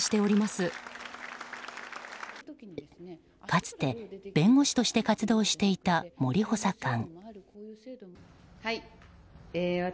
かつて弁護士として活動していた森補佐官。